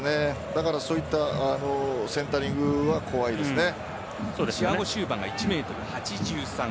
だからそういったセンタリングは怖いですね。